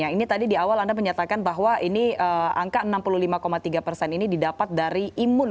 ini tadi di awal anda menyatakan bahwa ini angka enam puluh lima tiga persen ini didapat dari imun